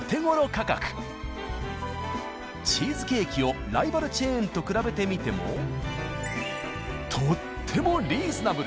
チーズケーキをライバルチェーンと比べてみてもとってもリーズナブル。